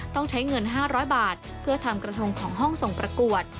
ต้องใช้เงิน๕๐๐บาทเพื่อทำกระทงของห้องส่งประกวด